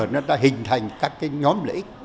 bây giờ nó đã hình thành các cái nhóm lễ